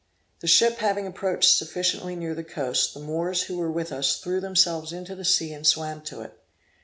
The ship having approached sufficiently near the coast, the Moors who were with us threw themselves into the sea and swam to it.